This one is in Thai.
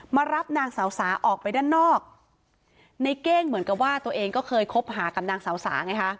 มารับนางสาวสาออกไปด้านนอกในเก้งเหมือนกับว่าตัวเองก็เคยคบหากับนางสาวสาไงฮะ